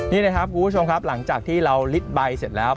นี่นะครับคุณผู้ชมครับหลังจากที่เราลิดใบเสร็จแล้ว